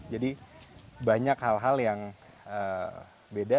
jadi banyak hal hal yang beda